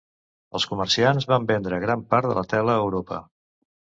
Els comerciants van vendre gran part de la tela a Europa.